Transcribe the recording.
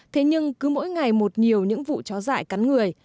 thế nhưng cứ mỗi ngày một nhiều những vụ chó dại cắn người